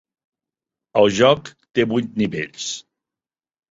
El joc té vuit nivells.